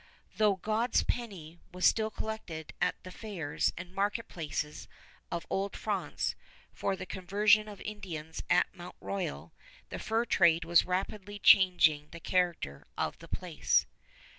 Though "God's Penny" was still collected at the fairs and market places of Old France for the conversion of Indians at Mont Royal, the fur trade was rapidly changing the character of the place.